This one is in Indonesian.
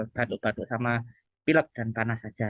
batuk batuk sama pilek dan panas saja